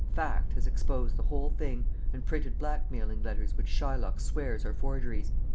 Fact has exposed the whole thing, and printed blackmailing letters which Shylock swears are forgeries.